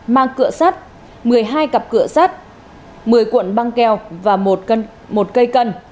mang cửa sắt một mươi hai cặp cửa sắt một mươi cuộn băng keo và một cây cân